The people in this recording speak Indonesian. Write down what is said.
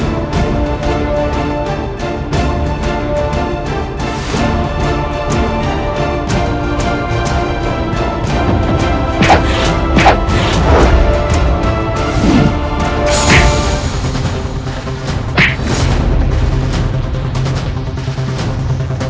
aku akan menang